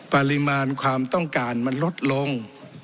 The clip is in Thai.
ปริมาณความต้องการมันลดลง